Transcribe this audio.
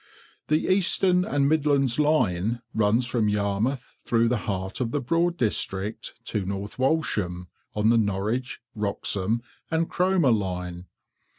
The Eastern and Midlands line runs from Yarmouth through the heart of the Broad District to North Walsham, on the Norwich, Wroxham, and Cromer line.